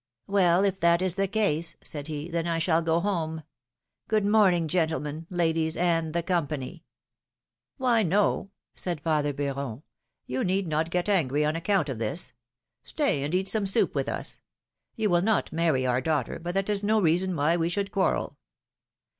Well, if that is the case,^^ said he, ^^then I shall go home. Good morning, gentlemen, ladies and the com pany ^^Why, no,^^ said father Beuron, ^^you need not get angry on account of this : stay and eat some soup with us ; you will not marry our daughter, but that is no reason why we should quarrel.